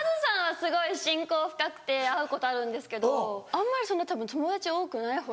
すごい親交深くて会うことあるんですけどあんまり友達多くないほう。